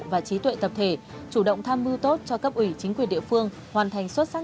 và trí tuệ tập thể chủ động tham mưu tốt cho cấp ủy chính quyền địa phương hoàn thành xuất sắc